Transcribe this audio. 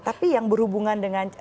tapi yang berhubungan dengan